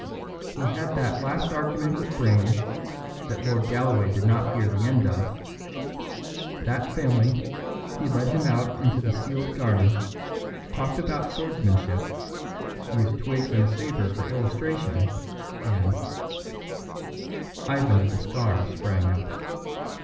He had that last argument with Brayne, that Lord Galloway did not hear the end of; that failing, he led him out into the sealed garden, talked about swordsmanship, used twigs and a sabre for illustration, and " Ivan of the Scar sprang up.